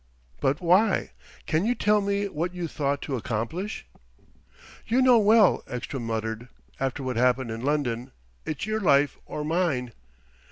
"But why? Can you tell me what you thought to accomplish?" "You know well," Ekstrom muttered. "After what happened in London ... it's your life or mine!"